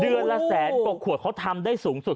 เดือนละแสนกว่าขวดเขาทำได้สูงสุด